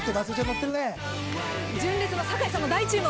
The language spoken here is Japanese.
純烈の酒井さんも大注目。